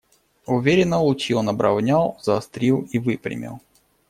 Уверенно лучи он обровнял, заострил и выпрямил.